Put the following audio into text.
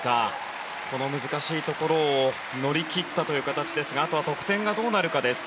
この難しいところを乗り切ったという形ですがあとは得点がどうなるかです。